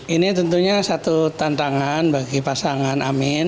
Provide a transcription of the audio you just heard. ini tentunya satu tantangan bagi pasangan amin